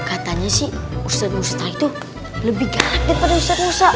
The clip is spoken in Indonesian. katanya sih ustaz musa itu lebih galak daripada ustaz musa